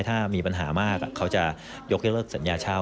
ถ้ามีปัญหามากเขาจะยกเลิกสัญญาเช่า